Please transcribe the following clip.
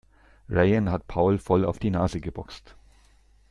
Rayen hat Paul voll auf die Nase geboxt.